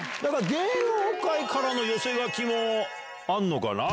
芸能界からの寄せ書きもあるのかな。